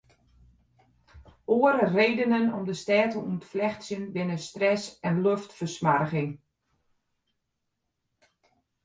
Oare redenen om de stêd te ûntflechtsjen binne stress en loftfersmoarging.